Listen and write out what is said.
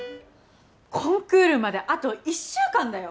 コンクールまであと１週間だよ？